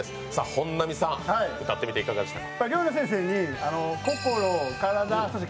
本並さん、歌ってみていかがでしたか？